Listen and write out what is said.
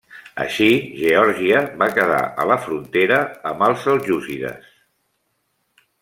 Així Geòrgia va quedar a la frontera amb els seljúcides.